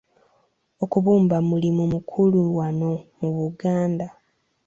Okubumba mulimu mukulu wano mu Buganda.